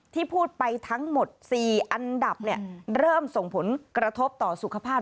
ที่พูดไปทั้งหมด๔อันดับเริ่มส่งผลกระทบต่อสุขภาพ